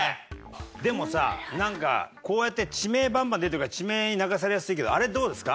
でもさなんかこうやって地名バンバン出てるから地名に流されやすいけどあれどうですか？